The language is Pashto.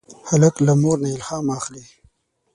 هلک له مور نه الهام اخلي.